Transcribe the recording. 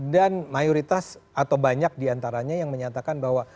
dan mayoritas atau banyak diantaranya yang menyatakan bahwa